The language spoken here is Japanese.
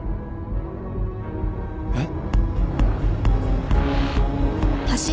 えっ？